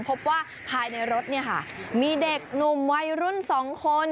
พบว่าภายในรถเนี่ยค่ะมีเด็กหนุ่มวัยรุ่น๒คน